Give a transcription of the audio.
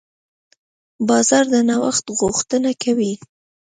بازار د نوښت غوښتنه کوي.